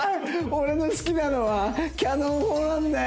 「俺の好きなのはキャノン砲なんだよ」。